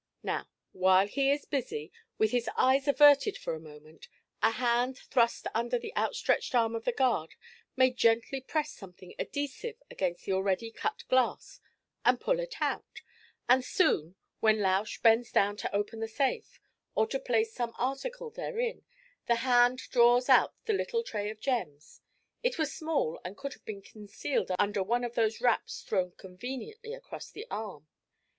Now, while he is busy, with his eyes averted for a moment, a hand thrust under the outstretched arm of the guard may gently press something adhesive against the already cut glass and pull it out, and soon, when Lausch bends down to open the safe, or to place some article therein, the hand draws out the little tray of gems; it was small, and could have been concealed under one of those wraps thrown conveniently across the arm.